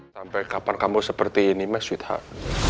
sampai kapan kamu seperti ini mas sweetheart